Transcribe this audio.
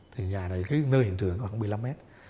thì nhà này cái nơi hiện trường khoảng một mươi năm mét